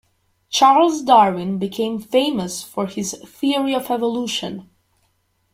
Charles Darwin became famous for his theory of evolution.